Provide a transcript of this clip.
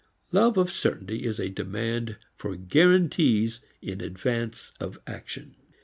Love of certainty is a demand for guarantees in advance of action.